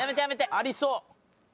ありそう。